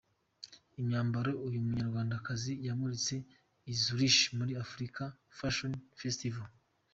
Imyambaro uyu munyarwandakazi yamuritse i Zurich muri 'African Fashion Festival'.